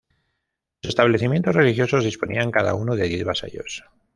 Los establecimientos religiosos disponían cada uno de diez vasallos.